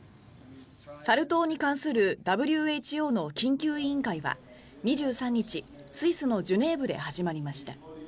サル痘に関するＷＨＯの緊急委員会は２３日、スイスのジュネーブで始まりました。